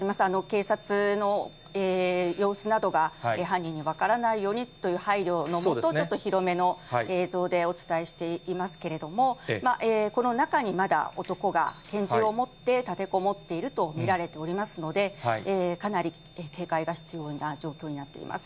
警察の様子などが、犯人に分からないようにという配慮のもと、広めの映像でお伝えしていますけれども、この中にまだ男が拳銃を持って立てこもっていると見られておりますので、かなり警戒が必要な状況になっています。